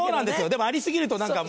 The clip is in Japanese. でもあり過ぎると何か。